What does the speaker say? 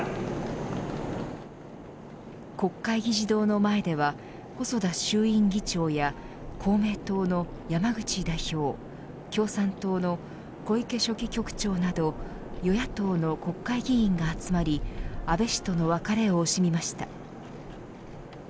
国会議事堂の前では細田衆院議長や公明党の山口代表共産党の小池書記局長など与野党の国会議員が集まり安倍氏との別れを惜しみました。